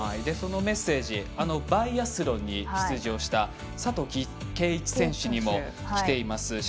そのメッセージバイアスロンに出場した佐藤圭一選手にもきています。